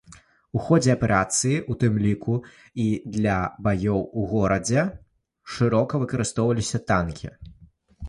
У ходзе аперацыі, у тым ліку і для баёў ў горадзе, шырока выкарыстоўваліся танкі.